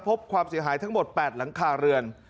ความเสียหายทั้งหมด๘หลังคาเรือน